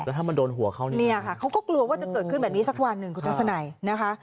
ถ้ามันโดนหัวเขาเนี่ยค่ะเขาก็กลัวว่าจะเกิดขึ้นแบบนี้สักวันหนึ่งคุณทัศนัยนะคะ